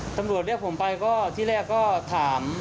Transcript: ตำรวจเรียกผมไปก็ที่แรกก็ถาม